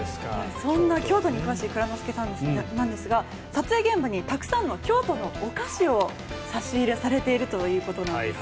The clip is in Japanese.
そんな京都に詳しい蔵之介さんなんですが撮影現場にたくさんの京都のお菓子を差し入れされているということです。